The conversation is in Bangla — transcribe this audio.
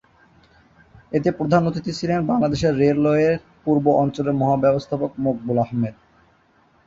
এতে প্রধান অতিথি ছিলেন বাংলাদেশ রেলওয়ের পূর্ব অঞ্চলের মহাব্যবস্থাপক মকবুল আহমদ।